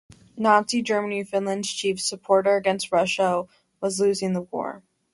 Nazi Germany, Finland's chief supporter against Russia, was losing the war.